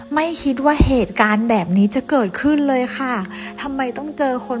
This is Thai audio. ไม่คิดว่าเหตุการณ์แบบนี้จะเกิดขึ้นเลยค่ะทำไมต้องเจอคน